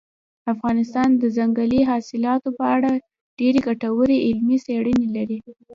افغانستان د ځنګلي حاصلاتو په اړه ډېرې ګټورې علمي څېړنې لري.